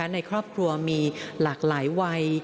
ในครอบครัวมีหลากหลายวัย